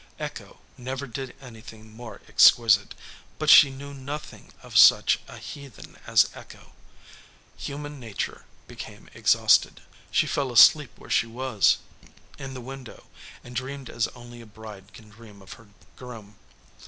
Echo never did anything more exquisite, but she knew nothing of such a heathen as Echo. Human nature became exhausted. She fell asleep where she was, in the window, and dreamed as only a bride can dream of her groom.